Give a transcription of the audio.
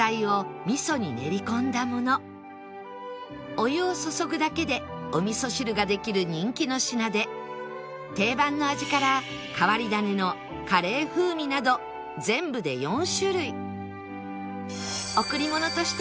お湯を注ぐだけでお味噌汁ができる人気の品で定番の味から変わり種のカレー風味など全部で４種類